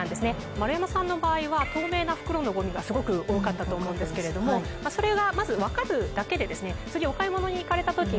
丸山さんの場合は透明な袋のゴミがすごく多かったと思うんですけれどもそれが。